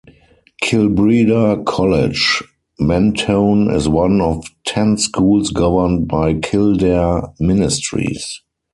Kilbreda College, Mentone is one of ten schools governed by Kildare Ministries.